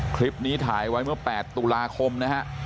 คลิปนี้ถ่ายไว้เมื่อ๘ตุลาคมนะฮะ